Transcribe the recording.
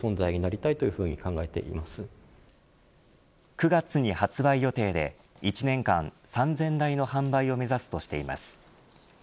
９月に発売予定で１年間３０００台の販売を目指すとしています。